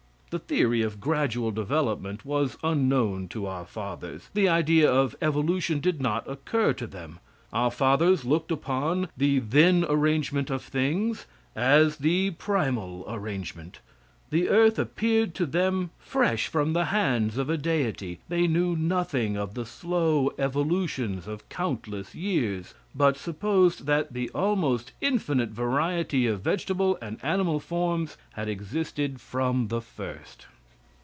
The theory of gradual development was unknown to our fathers; the idea of evolution did not occur to them. Our fathers looked upon the then arrangement of things as the primal arrangement. The earth appeared to them fresh from the hands of a deity. They knew nothing of the slow evolutions of countless years, but supposed that the almost infinite variety of vegetable and animal forms had existed from the first.